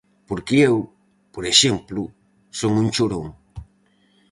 Porque eu, por exemplo, son un chorón.